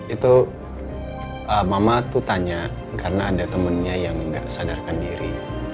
itu mama tuh tanya karena ada temannya yang nggak sadarkan diri